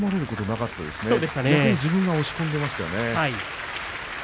逆に自分が押し込んでいましたね。